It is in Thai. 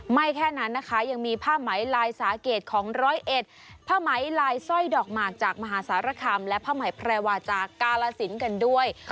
แค่นั้นนะคะยังมีผ้าไหมลายสาเกตของร้อยเอ็ดผ้าไหมลายสร้อยดอกหมากจากมหาสารคามและผ้าไหมแพรวาจากกาลสินกันด้วย